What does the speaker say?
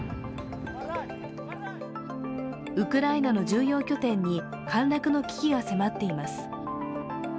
ウクライナの重要拠点に陥落の危機が迫っています。